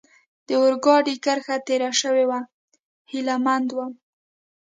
د اورګاډي کرښه تېره شوې وه، هیله مند ووم.